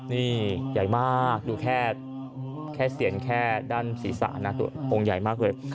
นี่ใหญ่มากดูแค่เสียนแค่ด้านศีรษะนะตัวองค์ใหญ่มากเลย